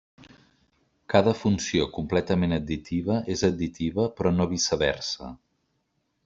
Cada funció completament additiva és additiva, però no viceversa.